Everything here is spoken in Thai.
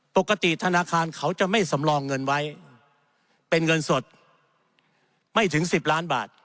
ปกติธนาคารเขาจะไม่สำรองเงินไว้เป็นเงินสดไม่ถึง๑๐ล้านบาท